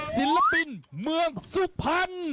ศิลปินเมืองสุภัณฑ์